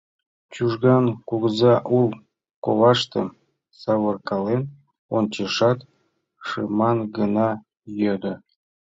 Чужган кугыза ур коваштым савыркален ончышат, шыман гына йодо: